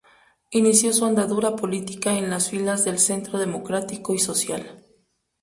Inició su andadura política en las filas del Centro Democrático y Social.